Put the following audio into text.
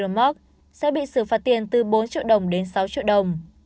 rô móc sẽ bị xử phạt tiền từ bốn triệu đồng đến sáu triệu đồng